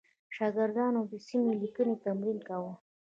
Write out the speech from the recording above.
شاګردانو د سمې لیکنې تمرین کاوه.